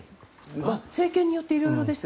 政権によっていろいろです。